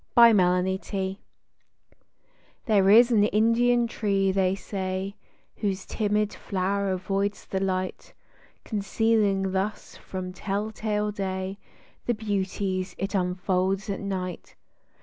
03 There is an Indian tree, they say, Whose timid flow'r avoids the light, Concealing thus from tell tale day The beauties it unfolds at night.